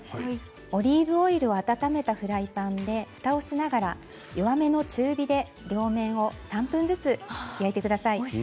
オリーブオイルを温めたフライパンでふたをしながら弱めの中火で両面を３分ずつ焼いてください。